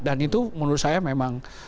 dan itu menurut saya memang